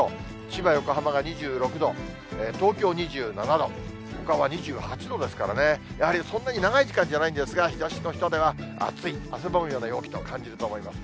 千葉、横浜が２６度、東京２７度、ほかは２８度ですからね、やはりそんなに長い時間じゃないんですが、日ざしの下では暑い、汗ばむような陽気と感じると思います。